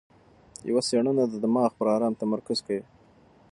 یوه څېړنه د دماغ پر ارام تمرکز کوي.